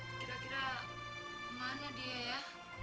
kira kira ke mana dia ya